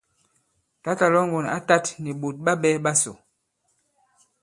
Tǎtà Lɔ̌ŋgòn ǎ tāt nì ɓòt ɓa ɓɛ̄ ɓasò.